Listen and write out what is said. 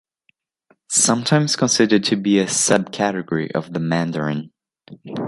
Sometimes considered to be a sub-category of the mandarin.